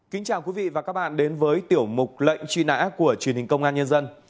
kính chào quý vị và các bạn đến với tiểu mục lệnh truy nã của truyền hình công an nhân dân